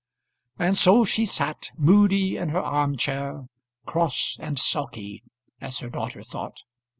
And so she sat moody in her arm chair, cross and sulky, as her daughter thought.